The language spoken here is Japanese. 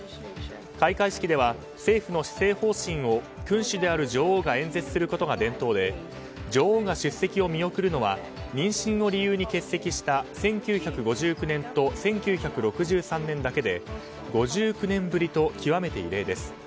開会式では、政府の施政方針を君主である女王が演説することが伝統で女王が出席を見送るのは妊娠を理由に欠席した１９５９年と１９６３年だけで５９年ぶりと極めて異例です。